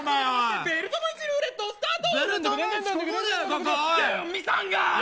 ベルトの位置ルーレットスタート。